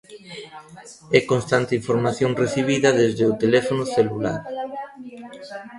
E constante información recibida desde o teléfono celular.